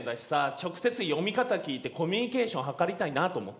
直接読み方聞いてコミュニケーション図りたいなと思って。